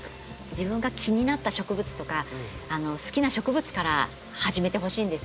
自分が気になった植物とか好きな植物から始めてほしいんですよ。